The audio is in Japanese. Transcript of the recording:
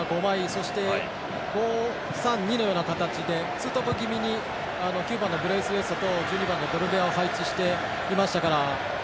そして、５−３−２のような形でツートップ気味に９番のブレイスウェイトと１２番のドルベアを配置していましたから。